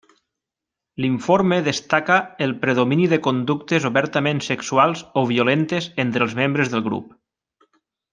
L'informe destaca el predomini de conductes obertament sexuals o violentes entre els membres del grup.